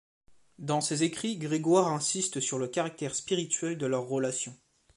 Dans ses écrits, Grégoire insiste sur le caractère spirituel de leurs relations.